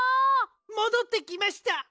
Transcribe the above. もどってきました！